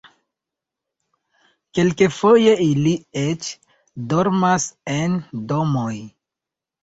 Kelkfoje ili eĉ dormas en domoj.